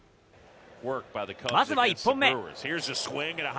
まずは１本目。